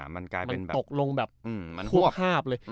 มันตกลงแบบทั่วภาพเลย